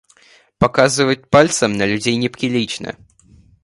Показывать пальцем на людей неприлично!